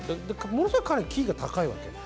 ものすごい彼、キーが高いわけ。